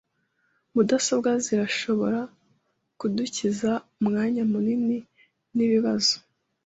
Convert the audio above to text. Mudasobwa zirashobora kudukiza umwanya munini nibibazo.